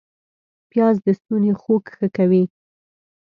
پیاز د ستوني خوږ ښه کوي